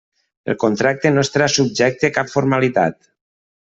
El contracte no estarà subjecte a cap formalitat.